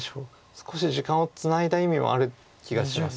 少し時間をつないだ意味もある気がします